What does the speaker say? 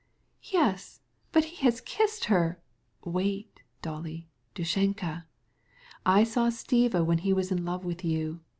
"Yes, but he has kissed her...." "Dolly, hush, darling. I saw Stiva when he was in love with you.